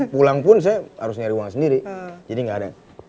pulang pun saya harus nyari uang sendiri jadi nggak ada